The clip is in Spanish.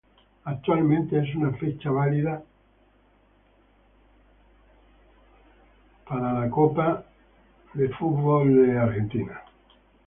Actualmente, es una fecha válida por la United SportsCar Championship.